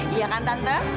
iya kan tante